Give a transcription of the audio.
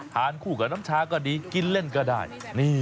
คู่กับน้ำชาก็ดีกินเล่นก็ได้